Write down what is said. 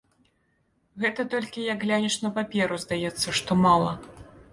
Гэта толькі, як глянеш на паперу, здаецца, што мала.